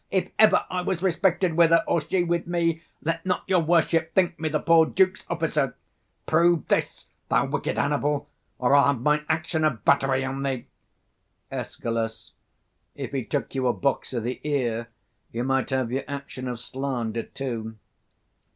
If ever I was respected with her, or she with me, let not your worship think me the poor duke's officer. Prove this, thou wicked Hannibal, or I'll have mine action of battery on thee. 170 Escal. If he took you a box o' th' ear, you might have your action of slander too.